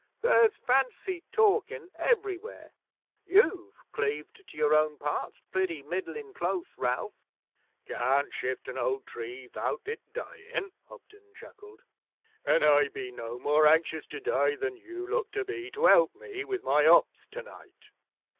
'There's fancy talkin' everywhere. You've cleaved to your own parts pretty middlin' close, Ralph.' 'Can't shift an old tree 'thout it dyin',' Hobden chuckled. 'An' I be no more anxious to die than you look to be to help me with my hops tonight.'